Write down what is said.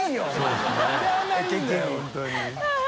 本当に。